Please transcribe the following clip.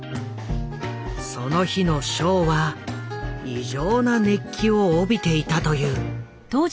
その日のショーは異常な熱気を帯びていたという。